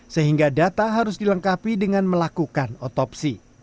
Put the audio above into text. sehingga data harus dilengkapi dengan melakukan otopsi